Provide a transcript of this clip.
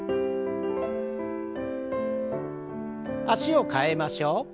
脚を替えましょう。